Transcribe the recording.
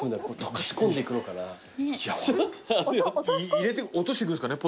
入れて落としていくんですかね